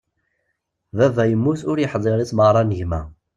Baba yemmut ur yeḥdiṛ i tmerɣra n gma.